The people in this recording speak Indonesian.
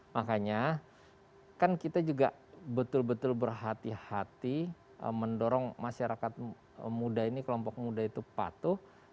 makanya kan kita juga betul betul berhati hati mendorong masyarakat muda ini kelompok muda itu patuh